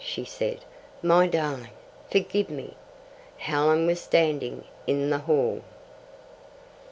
she said. "My darling, forgive me." Helen was standing in the hall.